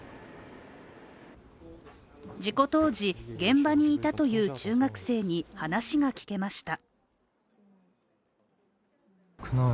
事故当時、現場にいたという中学生に話が聞けました。